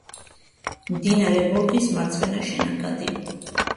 მდინარე ვოლგის მარცხენა შენაკადი.